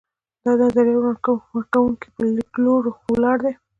دا د نظریه ورکوونکو پر لیدلورو ولاړ دی.